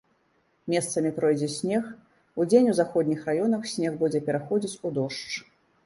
Месцамі пройдзе снег, удзень у заходніх раёнах снег будзе пераходзіць у дождж.